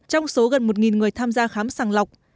trong số gần một người tham gia khám sàng lọc